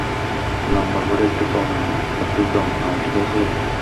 লম্বা করে একটু দম নাও, ঠিক আছে?